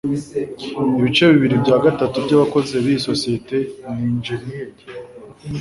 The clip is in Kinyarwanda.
ibice bibiri bya gatatu byabakozi biyi sosiyete ni injeniyeri